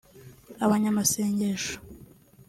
abanyamasengesho